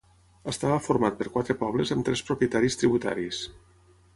Estava format per quatre pobles amb tres propietaris tributaris.